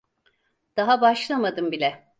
Daha başlamadım bile.